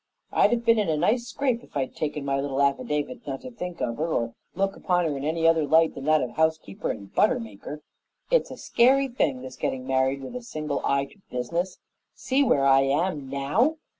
I'd have been in a nice scrape if I'd taken my little affidavit not to think of her or look upon her in any other light than that of housekeeper and butter maker. It's a scary thing, this getting married with a single eye to business. See where I am now!